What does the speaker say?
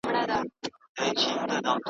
بېګناه یم نه په ژوند مي څوک وژلی .